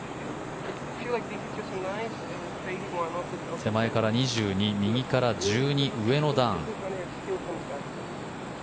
手前から２２右から１２上の段。